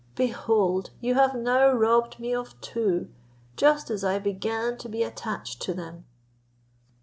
Behold you have now robbed me of two, just as I began to be attached to them."